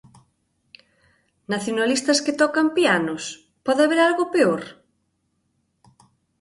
Nacionalistas que tocan pianos, pode haber algo peor?